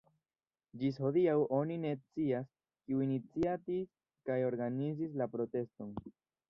Ĝis hodiaŭ oni ne scias, kiu iniciatis kaj organizis la proteston.